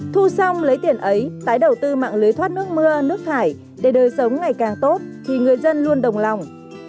thu xong lấy tiền ấy tái đầu tư mạng lưới thoát nước mưa nước thải để đời sống ngày càng tốt thì người dân luôn đồng lòng